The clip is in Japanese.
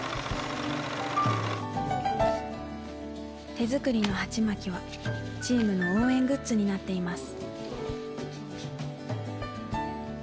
手作りのハチマキはチームの応援グッズになっています。